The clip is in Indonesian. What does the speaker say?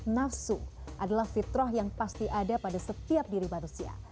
nafsu adalah fitrah yang pasti ada pada setiap diri manusia